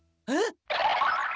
えっ！